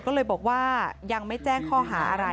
ก็เลยบอกว่ายังไม่แจ้งข้อหาอะไร